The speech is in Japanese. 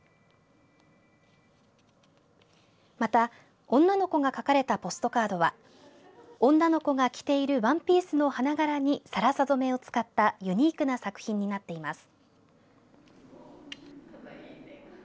また女の子が描かれたポストカードは女の子が着ているワンピースの花柄に更紗染めを使ったユニークな作品になっています。